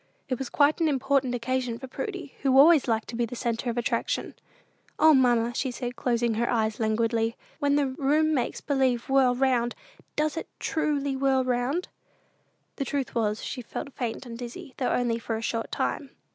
It was quite an important occasion for Prudy, who always liked to be the centre of attraction. "O, mamma," said she, closing her eyes languidly, "when the room makes believe whirl round, does it truly whirl round?" The truth was, she felt faint and dizzy, though only for a short time.